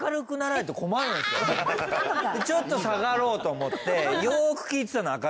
ちょっと下がろうと思ってよく聞いてたの。